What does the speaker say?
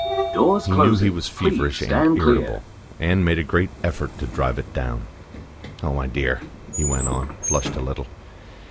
He knew he was feverish and irritable, and made a great effort to drive it down. "Oh, my dear!" he went on, flushed a little.